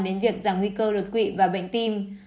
đến việc giảm nguy cơ đột quỵ và bệnh tim